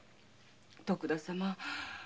徳田様